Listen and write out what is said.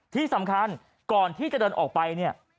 ที่สำคัญก่อนที่จะเดินออกไปเนี่ย